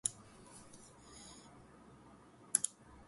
Safety measures are in place to prevent accidents from happening.